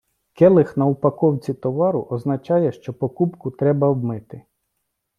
Келих на упаковці товару означає, що покупку треба обмити.